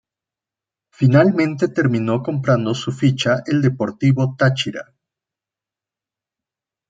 Finalmente terminó comprando su ficha el Deportivo Táchira.